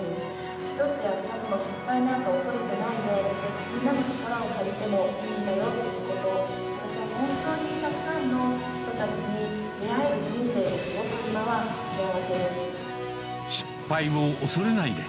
１つや２つの失敗などを恐れてないで、みんなの力を借りてもいいんだよっていうことを、私は本当にたくさんの人たちに出会える人生で、すごく今は幸せで失敗を恐れないで。